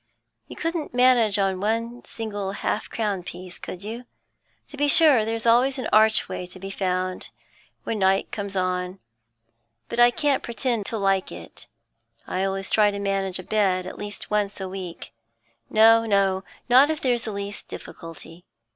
'You couldn't manage one single half crown piece, could you? To be sure there's always an archway to be found, when night comes on, but I can't pretend to like it. I always try to manage a bed at least once a week no, no, not if there's the least difficulty.